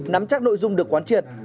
nắm chắc nội dung được quán triệt